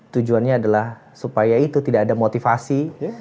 tujuannya adalah supaya itu tidak ada motivasi